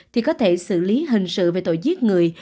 thì có thể xử lý hình sự về tội giết người